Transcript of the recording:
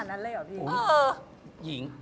จริง